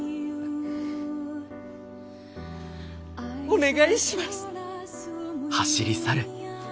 お願いします。